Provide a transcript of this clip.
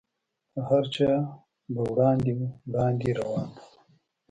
تر هر چا به وړاندې وړاندې روان و.